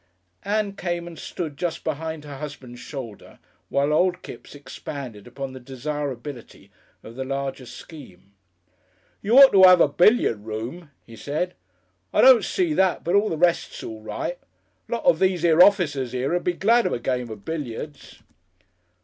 Ann came and stood just behind her husband's shoulder while old Kipps expanded upon the desirability of the larger scheme. "You ought to 'ave a billiard room," he said; "I don't see that, but all the rest's all right. A lot of these 'ere officers 'ere 'ud be glad of a game of billiards."...